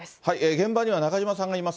現場には中島さんがいます。